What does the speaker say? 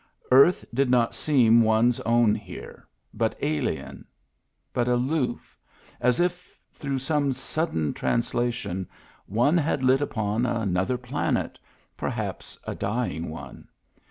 Earth did not seem one's own here, but alien, but aloof, as if, through some sud den translation, one had lit upon another planet, perhaps a dying one.